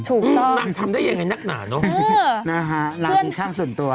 ถูกต้องน่ะทำได้อย่างไรนักหนาเนอะนะฮะหลักจริงช่างส่วนตัว